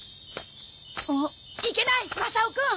あっいけないマサオくん！